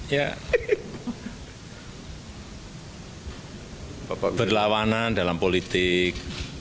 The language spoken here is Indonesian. ya berlawanan dalam politik